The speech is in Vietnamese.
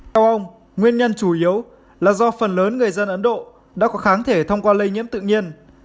theo ông nguyên nhân chủ yếu là do phần lớn người dân ấn độ đã có kháng thể thông qua lây nhiễm tự nhiên